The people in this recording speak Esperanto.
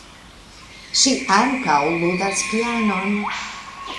Ŝi ankaŭ ludas pianon.